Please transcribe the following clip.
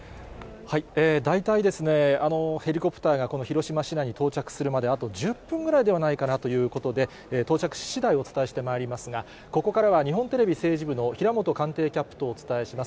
大体ですね、ヘリコプターがこの広島市内に到着するまで、あと１０分ぐらいではないかなということで、到着ししだいお伝えしてまいりますが、ここからは日本テレビ政治部の平本官邸キャップとお伝えします。